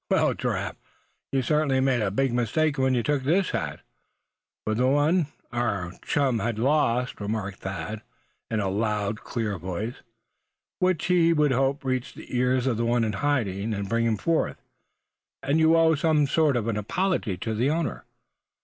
"Well, Giraffe, you certainly made a big mistake when you took this hat for the one our chum had lost," remarked Thad, in a loud, clear voice, which he hoped would reach the ears of the one in hiding, and bring him forth; "and you owe some sort of an apology to the owner."